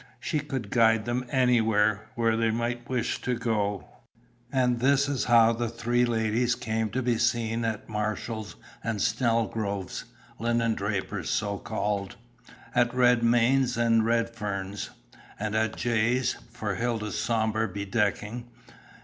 She could guide them anywhere where they might wish to go. And this is how the three ladies came to be seen at Marshall and Snelgrove's, linen drapers, so called; at Redmayne's and Redfern's, and at Jay's, for Hilda's sombre bedecking.